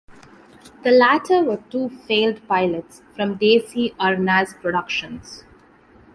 The latter were two failed pilots from Desi Arnaz Productions.